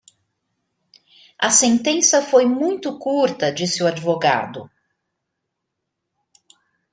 A sentença foi muito curta disse o advogado.